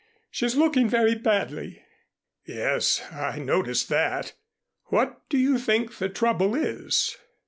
She's looking very badly." "Yes, I noticed that. What do you think the trouble is?"